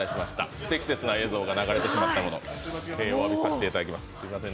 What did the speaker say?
不適切な映像が流れてしまったことおわびさせていただきます。